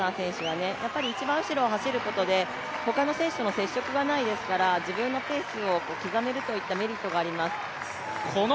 やっぱり一番後ろを走ることでほかの選手との接触がないですから、自分のペースを刻めるといったメリットがあります。